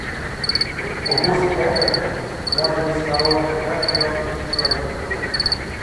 Укус эфы можа быць смяротны для жывёл і чалавека.